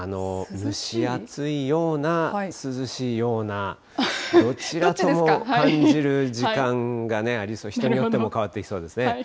蒸し暑いような、涼しいような、どちらとも感じる時間がありそう、人によっても変わってきそうですね。